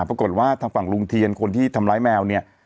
ปรากฏว่าทางฝั่งลุงเทียนคนที่ทำร้ายแมวเนี่ย